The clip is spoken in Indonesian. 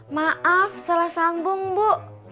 maaf salah sambung bu